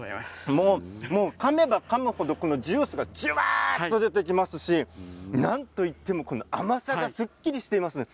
かめば、かむほどジュースがじゅわっと出てきますしなんと言っても甘さがすっきりしてますよね。